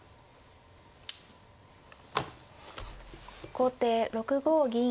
後手６五銀。